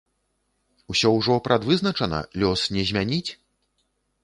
Усё ўжо прадвызначана, лёс не змяніць?